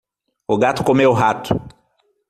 O gato comeu o rato.